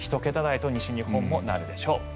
１桁台と西日本もなるでしょう。